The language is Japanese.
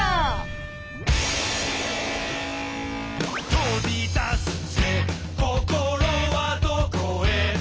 「飛び出すぜ心はどこへ」